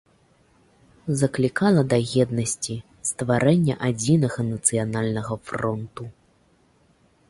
Заклікала да еднасці, стварэння адзінага нацыянальнага фронту.